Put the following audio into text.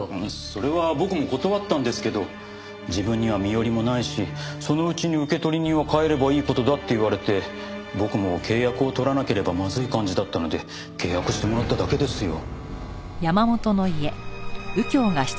それは僕も断ったんですけど自分には身寄りもないしそのうちに受取人を変えればいい事だって言われて僕も契約を取らなければまずい感じだったので契約してもらっただけですよ。